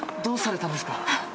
どうされたんですか？